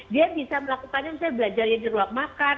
dia bisa melakukannya misalnya belajarnya di ruang makan